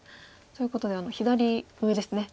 ということで左上ですね。